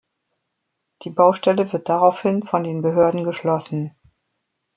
Die Baustelle wird daraufhin von den Behörden geschlossen.